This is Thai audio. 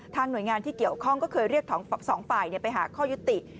หน่วยงานที่เกี่ยวข้องก็เคยเรียกทั้งสองฝ่ายไปหาข้อยุติ